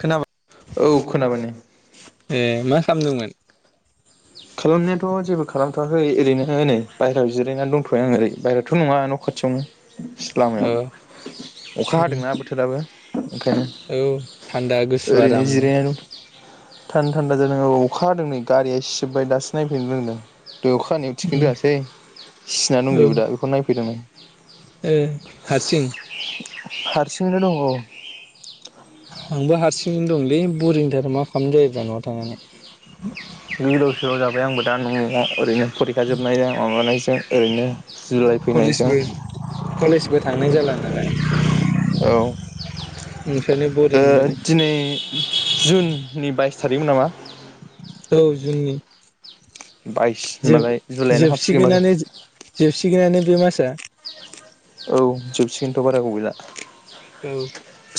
खोनाबाय औ खोनाबायनै । ए मा खामदोंमोन? खालामनायाथ' जेबो खालामथ'वाखै ओरैनो नै बायहेरायाव जिरायनानै दंथ'वै आं ओरै बायेरायावथ' नङा न' खाथियावनो । सिथ औ लामायाव अखा उम हादोंना बोथोराबो । ओंखायनो औ थान्दा गुसु ओरैनो आरामनो जिरायनानै दं। थान्दा थान्दा जादों औ अखा हादों नै गारिया सि जोब्बाय दासो नायफैनो रोंदों । दय अखा खानायाव थिखोन उम रोङासै सिना औ ओ दंजोबो दा बेखौ नायफैदों नै । हारसिं हारसिङैनो दङ' औ । आंबो हारसिङैनो दंलै बरिंनिथार मा खालामनो जायोब्रा न'आव थांनानै। गोदावसोराव जाबाय आंबो दा न'आव ओरैनो फरिखा जोबनायजों माबानायजों ओरैनो जुलाइ फैनायजों कलेजबो । कलेजबो थांनाय जाला नालाय । औ ओ बरिं मोनो दिनै जुननि बाइस थारिखमोन नामा? औ जुननि । होनबालाय जुलाइनो हाबसिगोन माथो । गैलानो बे मासा । औ जोबसिगोनथ' बारा गोबाव गैला औ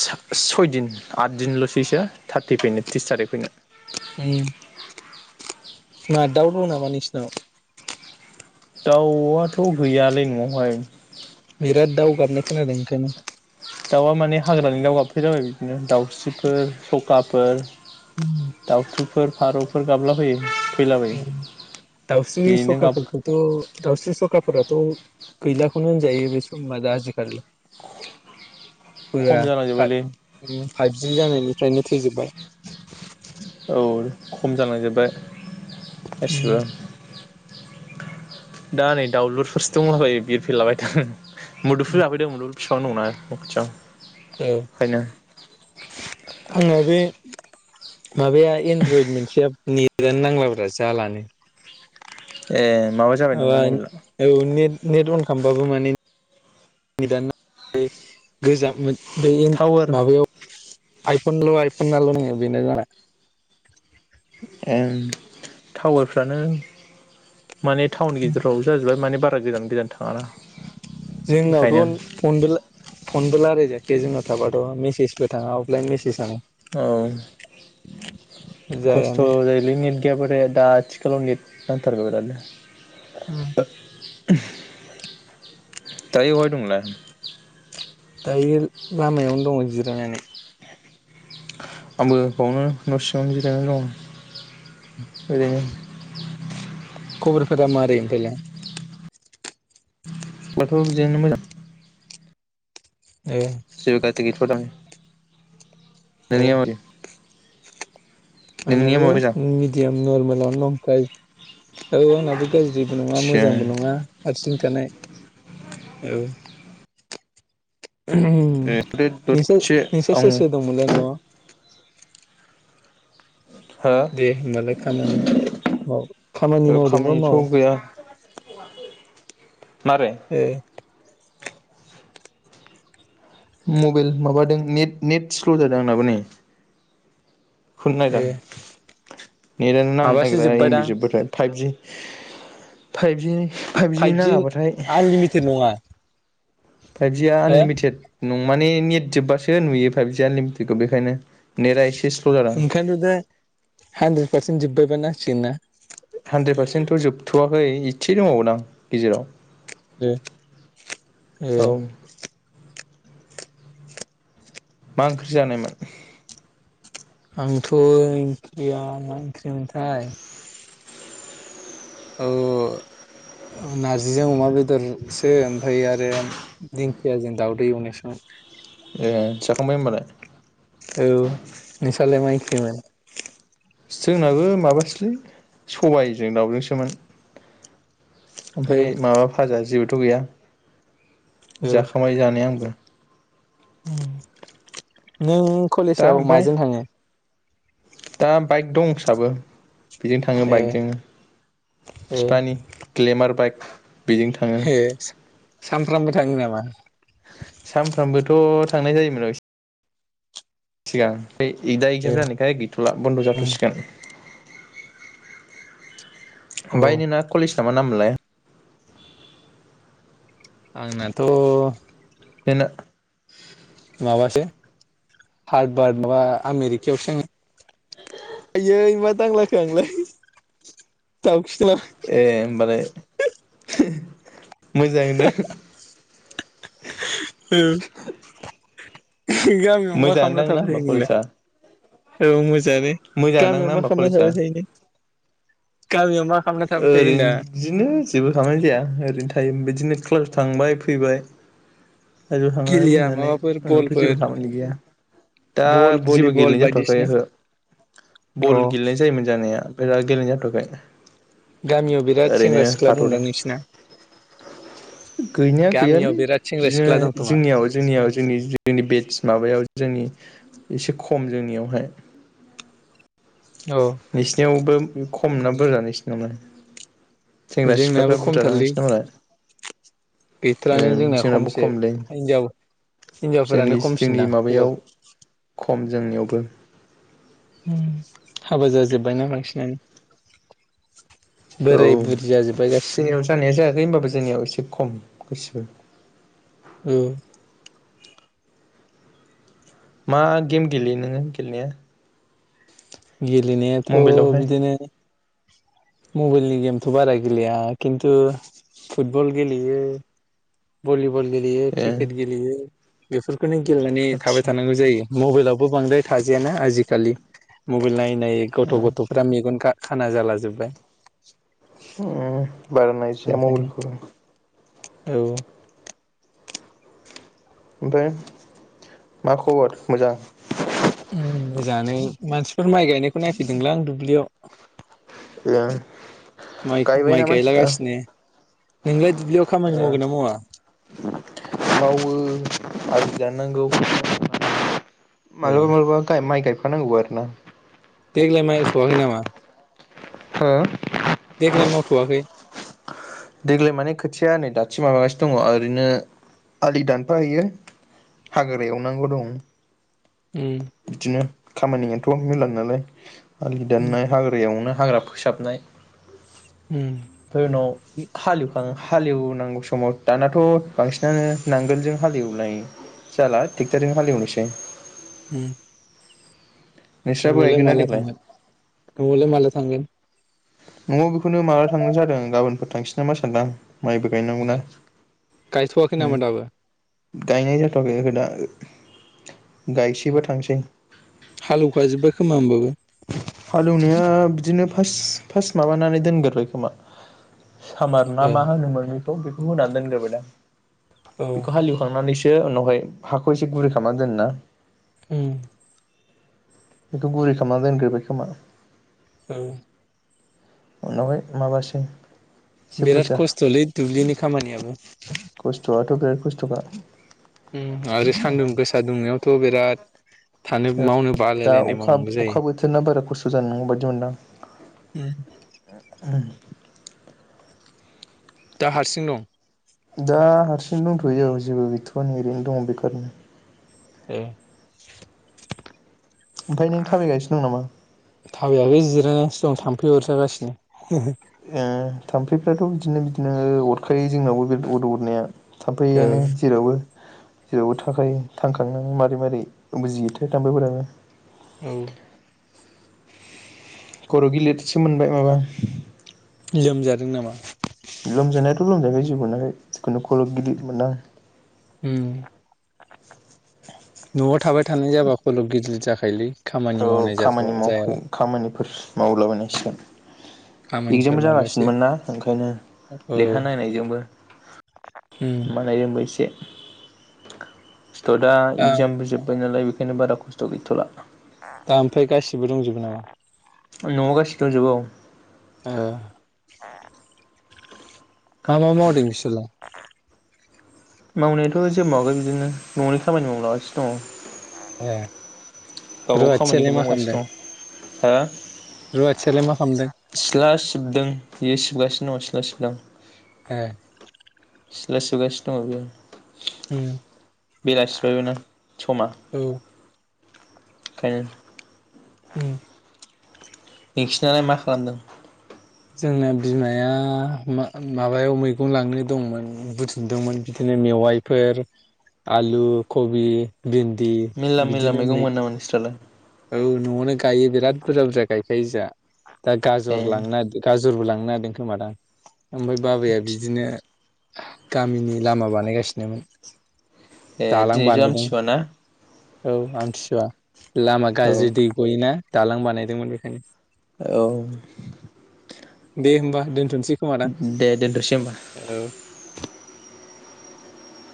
। सय दिन । आद दिनल'सैसो [inaudible] उम मा दाउ दं नामा नोंसिनाव? दाउआथ' गैयालै न'आवहाय । बिराद दाउगाबनाय खोनादों ओंखायनो । दाउआ माने हाग्रानि दाउ गाबफैला बायो बिदिनो दाउस्रिफोर, सखाफोर । उम । दावथुफोर फारौफोर गाबलाबायो। फैलाबायो दाउस्रि बेनो गाब सखाफोरखौथ' दाउस्रि सखाफोराथ' गैलाखौनो होनजायो बे समाव दा आजिखालि। खम गैया जालांजोब्बायलै फाइभ जि जानाय निफ्रायनो थैजोबबाय। औ खम जालांजोबबाय गासिबो। दा नै दाउलुरफोरसो दंला बायो बिरफैला बायदों। मुदुमफुल जाफैदों मुदुमफुल। बिफां दंना न' खाथियाव ए ओंखायनो आंना बे [inaudible] माबाया एनड्रइड मोनसेया नेटानो नांला ब्रा जालानो। एह। माबा औ नेट नेट अन खालामाबाबो माने [unintelligible] बैयाव टावार माबायाव आइफनल' आइफननाल' [unintelligible] उम टावारफ्रानो माने टाउन गेजेरावबो जाजोबा माने बा [unintelligible] जोंनावथ' फनबो फनबो रायलायजाया, बे जोंनाव थाबाथ' मेसेजबो थाङा अफलाइन मेसेजआनो। औ। [unintelligible] खस्थ' जायानो जायोलै नेथ गैयाबा थाय दा आथिखालाव नेट नांथारगौ बेरादनो। औ। दायो अहाय दं नोंलाय? बे लामायावनो दङ जिरायनानै। आंबो बावनो न' सिङावनो गिरायनानै दं ओरैनो। खबरफोरा मारै दालाय? खबरफ्राथ' बेदिनो मोजां। एह। गोदान । नोंनिया‌ मादि? आंनाबो मिडियाम नर्मेलानो दं गाज्रि औ आंनाबो गाज्रिबो नङा थिया मोजांबो नङा हारसिं । [unintelligible] औ बे नोंसोर दसे नोंसोर आं सोर सोर दंमोनलाय न'आव? दे हो होमबालाय खामानि माव खामानि मावदोंबा खामानिथ' माव । गैया [unintelligible] मारै? ए मबाइल माबादों नेट नेट स्ल' जादों आंनाबो नै । खौ नायदों ए आं नेत आनो नांनो माबासो नागिरा एमबि जोब्बायदां जोबाथाइ फायेब जि फाइभजिनि फाइभजि आनलिमिटेड नङा? फाइभजिआ हो आनलिमिटेड नं माने नेट जोबबासो नुयो फाइभजि आनलिमिटेट खौ बेखायनो नेटआ एसे स्ल' जादों ओंखाइनोथ दा हानद्रेद पारसेन्ट जोबबाय । नांसिगोन ना? हानद्रेद पारसेन्टथ' जोबथ'वाखै इसे दंबावोदां गेजेराव । ए ए! औ मा ओंख्रि जानायमोन? आंथ' ओंख्रिया मा ओंख्रिमोनथाय! औ नारजिजों अमा बेदरसो ओमफ्राय आरो दिंखियाजों दाउदै एवनाय सोमोन। ए जाखांबाय होनोबालाय? औ नोंसालाय मा ओंख्रि मोन? जोंनाबो माबासोलै सबायजों दाउजोंसोमोन। औ ओमफाय माबा फाजा जेबो थ' गैया? जाखांबाय जानाया आंबो। उम नों! दा कलेसाव ओमफ्राय माजों थांङो? दा बाइक दंसाबो। बेजों थाङो ए बाइकजोंनो बिफानि ग्लेमार बाइक। [inaudible] हे सामफ्रामबो थाङो नामा? [inaudible] सामफ्रामबोथ'। अ थांनाय जायोमोनाव एसे थिगां। ओइ इदा इगजाम अ जानायखाय गैथ'ला बन्द' जाथ'सिगोन। ओमफाय नोंना कलेज मा नाममोनलाय? आंनाथ'। बेना माबासो फादबाद माबा आमेरिकायावसो आयै मा दांलाखो आंलाय थाब। ए होमबालाय। मोजां दों। औ गामियाव मा मोजाङानो खामना दां ना थाबाय होमबा थायो नोंलाय? कलेजआ औ मोज जानो मोजाङानो दां गामियाव ना मा होमबा खामना कलेजआ थाबाय थायो नों? गामियाव मा खालामना थाबाय थायो ओरैन होनदां? बिदिनो जेबो खालामनाय जाया ओरैनो थायो बेदिनो। क्लास थांबाय फैबाय। हाजोआव थांनानै गेलेया फैनानै माबाफोर उनावथ' जेबो बलफोर खामानि गैया दा बल जेबो भलिबल गेलेनाय जाथ'वाखै बायदिसिना ओहो अ बल गेलेनाय जायोमोन जानाया। फाय दा गेलेनाय जाथ'वाखै। गामियाव बिराद ओरैनो सेंग्रा सिख्ला दंदां थाथ'दों नोंसिना गैनाया गामियाव गैयालै बेराद सें बिदिनो जोंनियाव जोंनियाव जोंनि जोंनि बेद इस माबायाव जोंनि एसे खम जोंनियावहाय। औ नोंसिनावबो खमना बुरजा नोंसिनाव जोंनाबो खमथारलै गैथारानो ओं जोंना जोंनाबो खमसो खमलै हिन्जाव जोंनि हिन्जावफोरानो खमसिन जोंनि दां हौवा माबायाव खम जोंनियावबो हाबा जाजोबबायना बांसिनानो औ बोराय बुरि जाजोब्बाय गासिबो जोंनियाव जानाया जायाखै होनबाबो जोंनियाव एसे खम गासैबो ओ मा गेम गेलेयो नोंङो गेलेनाया गेलेनायाथ मबाइलावहाय बिदिनो मबाइलनि गेमथ बारा गेलेया खिन्थु फुटबल गेलेयो भलि बल गेलेयो ए क्रिकेट गेलेयो बेफोर बेखौनो गेलेनानै थाबाय आदसा थानांगौ जायो मबाइलावबो बांद्राय थाजायाना आजिखालि मबाइल नाइन नायै गथ अ गथफ्रा मेगनगा खाना जाला जोबबाय उम बारानायजाया मबाइलखौ औ ओमफाय मा खबर मोजां उम मोजांङानो मानसिफोर माइ गायनायखौ नायफैदोंलै आं मोजां दुब्लियाव [inaudible] गायबायना माइ मानसिफ्रा गायलागासिनो नोंलाय दुब्लियाव खामानि ओ मावगोन ना मावा मावो आलि दाननांगौ ए मालाबा मालाबा गाय माइ गायफा फा नांगौ आरोना देग्लाय नामा हो देग्लाय मावथवाखै देग्लाय माने खोथिया नै दासो माबागासिनो दंङ ओरैनो आलि दानफाहैयो हाग्रा एवनांगौ दं उम खामानियानथ मेरला नालाय आलि उम दाननाय हाग्रायावना हाग्रा फोसाबनाय उम ओमफ्राय उनाव [unintelligible] हालेवनांगौ समाव दानाथ बांसिनानो नांगोलजों हालेवनाय जाला ट्रेक्टरजों हालेवनोसै उम नोंस्राबो नोंआवलाय गायगोन ना माला देग्लाय थांगोन नआवलाय माला थांगोन। नआव बेखौनो माला थांगनाय जादों गाबोनफोर थांसै नामा सानदां। माइबो गायनांगौना गायथवाखै उम नामान दाबो। गायनाय जाथवाखै। गायसैबा थांसै [inaudible] हालौवखाजोब्बाय खोमा होनबाबो। हालेवनाया बिदिनो। [unintelligible] माबानानै दोनगोरो खोमा। सामार ना ए मा होनोमोन बे। थ' बेखौ होनानै दोनग्रोबोायदां। औ बेखौ हालेवखांनानैसो। बे उनावहाय हाखौ एसे गुरै खामना दोनो ना। उम। बेथ' गुरै खामना दोनग्रोबबाय खोमा। औ। उनावहाय माबासै। एसे बिराद बुरजा खस्थ'लै दुब्लिनि खामानियाबो। खस्थ'आथ' बिराद खस्थ'खा। ओम आरो सान्दुं गोसा दुंनायावथ' बिराद थानो मावनो दा बालायलायनाय अखा मावनांगौ जायो अखा बोथोरनाा बारा खस्थ' जानाय नंया बायदि मोनदां‌ उम ओम। दा हारसिं दं। दा हारसिं दंथ'यो जेबो गैथ'वआनो ओरैनो दङ बेखारनो। ए। ओमफ्राय नों थाबायगासिनो दं नामा? थाबाययाखै जिरायनासो दं थाम फै अरजागासिनो। ए थाम्फैफ्राथ' बिदिनो बिदिनो ओ अरखायो जोंनावबो बे अद अरनाया। ओ थामफैआनो जेरावबो जेरावबो थाखायो थांखांनानै मारै मारोरै बुजियोथो थामफैफोरानो। औ। खर' गिलिदसो मोनबाय माबा। लोमजादों नामा? लोमजानाया थ' लोमजायाखै। जेबो मोनाखै जिखुनु खर' गिदिद मोनदां। उम न'आव थाबाय थानाय जाबा खल' गिदिर जाखा फायलि। औ खामानि मावफै खामानिफोर मावलाबायनांसिगोन खामानिफोर एगजामबो मावबासो जागासिनोमोनना ओंखायनो औ लेखा नायनायजोंबो उम [unintelligible] [unintelligible] दा इकजामबो जोब बायनालाय बेखायनो बारा खस्थ' गैथ'ला। दा ओमफ्राय गासिबो दंजोबो नामा? न'आव गासिबो दंजोबो औ। ओ। मा मा मावदों बिसोरलाय? [inaudible] मावनायाथ' जे मावाखै बिदिनो न'नि खामानि मावलागासिनो दङ। ए। रुवाथियालाय मा खामदों? हा? रुवाथियालाय मा खालामदों? सिबदों बियो सिबगासिनो दं सिला सिबदों। ए सिला सिबगासिनो दङ बेयो। उम बेलासिबायबो ना समा। औ खायनो उम नोंसिनालाय मा खालामदों? जोंना बिमाया मा माबायाव मैगं लांनो दंमोन बुथुमदोंंमोन बिदिनो मेवाइफोर आलु, कबि भिन्दि मेला मेला बिदिनो मैगं मै मोनो नामा नोंस्रालाय? औ न'आवनो गायो बिराद बुरजा बुरजा गायखायो जा। दा ए गाजर लांनादो गाज जरबो लांनो नागिरदों खोमादां। ओमफाय बाबाया बिदिनो गामिनि लामा बानायगासिनोमोन। ए दालां दिनैथ' बानायदों आमथिसुवाना? औ आमथिसुवा। लामा औ गाज्रि दै गयोना। दालां बानायदोंमोन बेखायनो औ दे होमबा दोन दे दोनथ'सै होमबा। औ